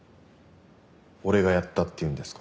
俺がやったって言うんですか？